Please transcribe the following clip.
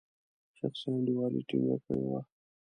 شخصي انډیوالي ټینګه کړې وه.